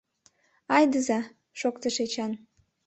— Айдыза, — шоктыш Эчан.